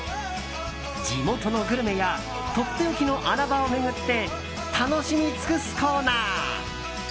地元のグルメやとっておきの穴場を巡って楽しみ尽くすコーナー。